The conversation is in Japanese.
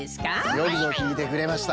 よくぞきいてくれました。